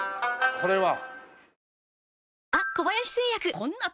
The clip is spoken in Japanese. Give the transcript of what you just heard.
これは。